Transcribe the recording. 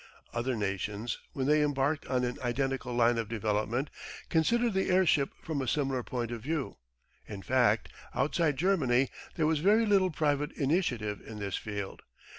Other nations, when they embarked on an identical line of development, considered the airship from a similar point of view. In fact, outside Germany, there was very little private initiative in this field.